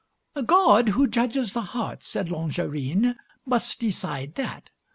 "God, who judges the heart," said Longarine, "must decide that.